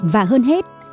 và hơn hết